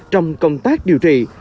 trong công tác điều trị